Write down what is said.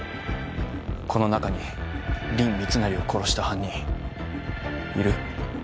この中に林密成を殺した犯人いる？